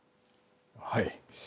はい。